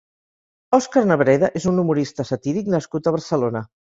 Òscar Nebreda és un humorista satíric nascut a Barcelona.